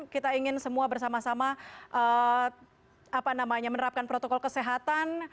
kita ingin semua bersama sama menerapkan protokol kesehatan